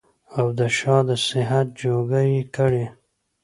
او د شاه د صحبت جوګه يې کړي